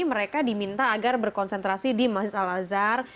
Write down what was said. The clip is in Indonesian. mereka diminta agar berkonsentrasi di masjid al azhar